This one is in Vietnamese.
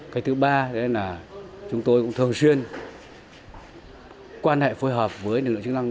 cái thứ ba là chúng tôi cũng thường xuyên quan hệ phối hợp với lực lượng chức năng